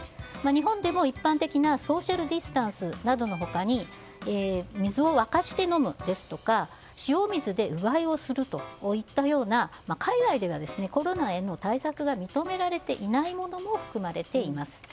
日本でも一般的なソーシャルディスタンスなどの他に水を沸かして飲むですとか塩水でうがいをするといったような海外ではコロナへの対策が認められていないものも含まれています。